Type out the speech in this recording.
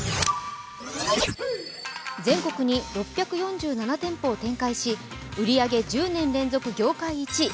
全国に６４７店舗を展開し、売り上げ１０年連続業界１位。